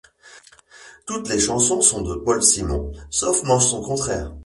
Toutes les chansons sont de Paul Simon, sauf mention contraire.